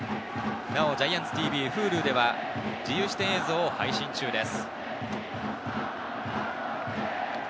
なお、ＧＩＡＮＴＳＴＶ、Ｈｕｌｕでは自由視点映像を配信中です。